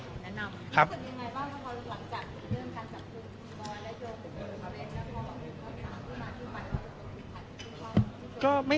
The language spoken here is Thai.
แนะนำ